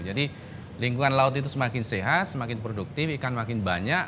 jadi lingkungan laut itu semakin sehat semakin produktif ikan makin banyak